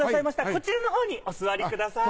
こちらのほうにお座りください。